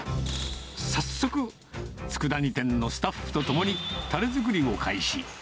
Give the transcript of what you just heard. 早速、つくだ煮店のスタッフと共に、たれ作りを開始。